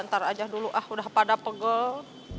ntar aja dulu ah udah pada pegel